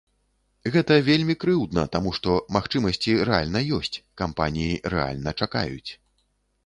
Гэта вельмі крыўдна, таму што магчымасці рэальна ёсць, кампаніі рэальна чакаюць.